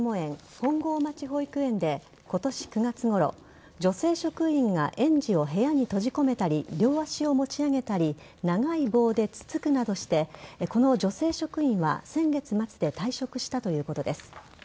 本郷町保育園で今年９月ごろ、女性職員が園児を部屋に閉じ込めたり両足を持ち上げたり長い棒でつつくなどしてこの女性職員は先月末で退職したということです。